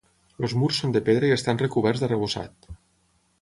Els murs són de pedra i estan recoberts d'arrebossat.